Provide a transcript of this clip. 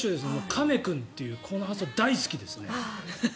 かめ君というこの発想大好きです。